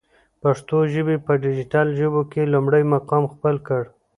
پښتو ژبی په ډيجيټل ژبو کی لمړی مقام خپل کړ.